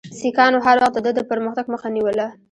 سیکهانو هر وخت د ده د پرمختګ مخه نیوله.